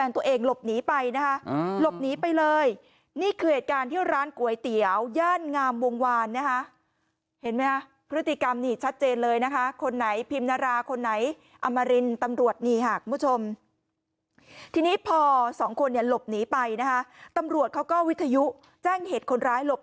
ทีนี้พอสองคนเนี่ยหลบหนีไปนะคะตำรวจเขาก็วิทยุแจ้งเหตุคนร้ายหลบ